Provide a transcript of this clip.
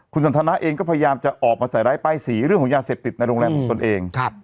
คุณสันทนาเองก็พยายามจะออกมาใส่ร้ายป้ายสีเรื่องของยาเสพติดในโรงแรมของตนเอง